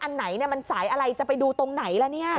อันไหนมันสายอะไรจะไปดูตรงไหนล่ะเนี่ย